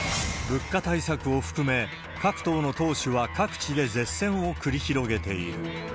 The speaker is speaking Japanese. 物価対策を含め、各党の党首は各地で舌戦を繰り広げている。